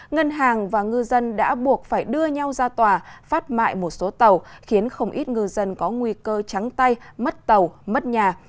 ngân hàng và ngư dân đã buộc phải đưa nhau ra tòa phát mại một số tàu khiến không ít ngư dân có nguy cơ trắng tay mất tàu mất nhà